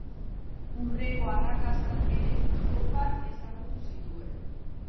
Hurrengo arrakastak ere Kopan ezagutu zituen.